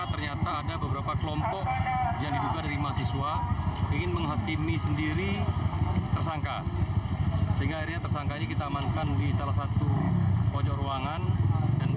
sehingga akhirnya tersangka ini kita amankan di salah satu pojok ruangan